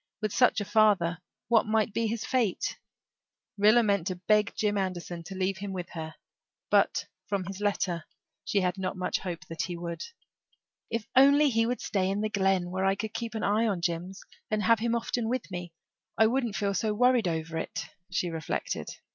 With such a father what might his fate be? Rilla meant to beg Jim Anderson to leave him with her, but, from his letter, she had not much hope that he would. "If he would only stay in the Glen, where I could keep an eye on Jims and have him often with me I wouldn't feel so worried over it," she reflected.